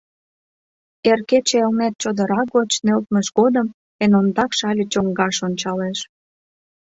Эр кече Элнет чодыра гоч нӧлтмыж годым эн ондак Шале чоҥгаш ончалеш.